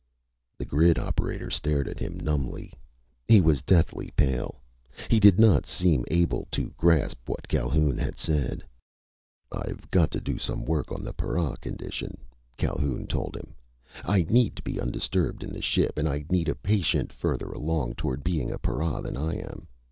The grid operator stared at him numbly. He was deathly pale. He did not seem able to grasp what Calhoun had said. "I've got to do some work on the para condition," Calhoun told him. "I need to be undisturbed in the ship, and I need a patient further along toward being a para than I am.